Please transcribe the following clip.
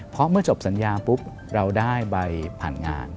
เพราะเมื่อจบสัญญาปุ๊บเราได้ใบผ่านงาน